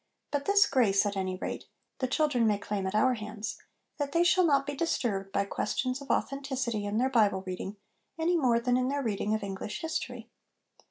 But this grace, at any rate, the children may claim at our hands, that they shall not be disturbed by questions of authenticity in their Bible reading any more than in their reading of English history.